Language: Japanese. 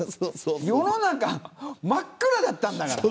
世の中、真っ暗だったんだから。